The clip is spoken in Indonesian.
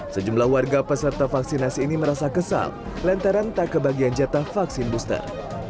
sejumlah warga peserta vaksinasi ini merasa kesal lantaran tak kebagian jatah vaksin booster